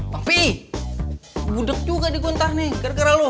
tapi budeg juga diguntah nih gara gara lo